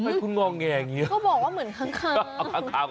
ก็บอกว่าเหมือนข้างข่าว